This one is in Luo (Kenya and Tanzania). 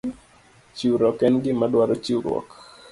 Chiwruok en gima dwaro chiwruok